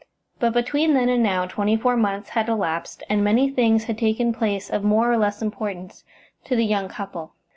But between then and now twenty four months had elapsed, and many things had taken place of more or less importance to the young couple.